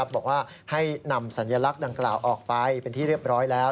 บอกว่าให้นำสัญลักษณ์ดังกล่าวออกไปเป็นที่เรียบร้อยแล้ว